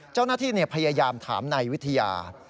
เจ้าหน้าที่พยายามถามนายวิทยา